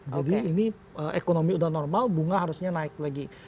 jadi ini ekonomi udah normal bunga harusnya naik lagi